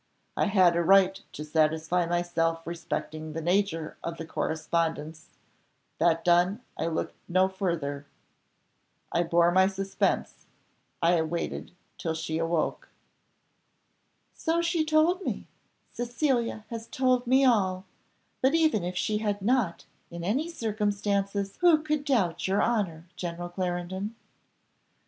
I had a right to satisfy myself respecting the nature of the correspondence; that done, I looked no farther. I bore my suspense I waited till she awoke." "So she told me, Cecilia has told me all; but even if she had not, in any circumstances who could doubt your honour, General Clarendon?"